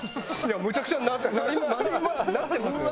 むちゃくちゃになりますなってますよ